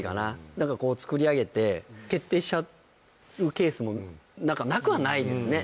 何かこう作り上げて決定しちゃうケースも何かなくはないですね